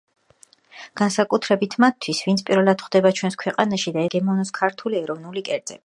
განსაკუთრებით მათთვის ვინც პირველად ხვდება ჩვენს ქვეყანაში და ეძლევა შესაძლებლობა დააგემოვნოს ქართული ეროვნული კერძები.